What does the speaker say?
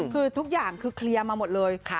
คือทุกอย่างคือเคลียร์มาหมดเลย